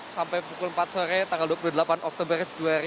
sampai pukul empat sore tanggal dua puluh delapan oktober dua ribu dua puluh